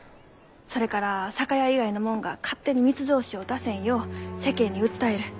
それから酒屋以外の者が勝手に密造酒を出せんよう世間に訴える。